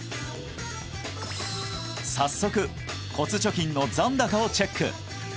早速骨貯金の残高をチェック